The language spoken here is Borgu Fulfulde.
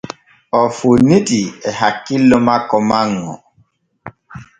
O fonnitii e hakkillo makko manŋo.